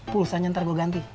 pulsanya ntar gua ganti